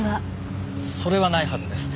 それはないはずです。